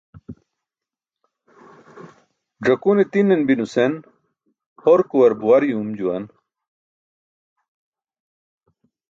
"ẓakune ti̇nan bi" nusen horkuwar buwar yuum juwan.